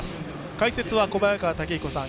解説は小早川毅彦さん